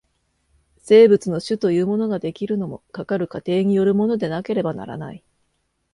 生物の種というものが出来るのも、かかる過程によるものでなければならない。